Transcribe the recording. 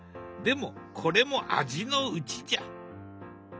でもこれも味のうちじゃ！